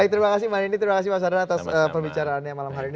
terima kasih manini terima kasih mas hadar